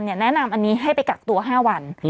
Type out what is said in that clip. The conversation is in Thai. แนะนำอันนี้ให้ไปกักตัว๕วัน